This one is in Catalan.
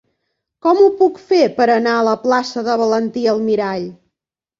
Com ho puc fer per anar a la plaça de Valentí Almirall?